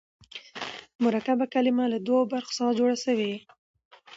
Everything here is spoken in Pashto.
مرکبه کلمه له دوو برخو څخه جوړه سوې يي.